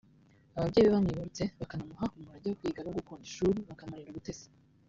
ababyeyi be bamwibarutse bakanamuha umurage wo kwiga no gukunda ishuri bakamurinda ubutesi